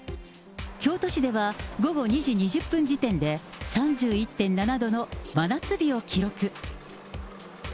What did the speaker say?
京都市では午後２時２０分時点で、３１．７度の真夏日を記録。